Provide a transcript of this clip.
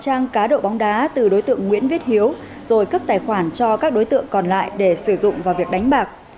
các đối tượng đã được trả giá đậu bóng đá từ đối tượng nguyễn viết hiếu rồi cấp tài khoản cho các đối tượng còn lại để sử dụng vào việc đánh bạc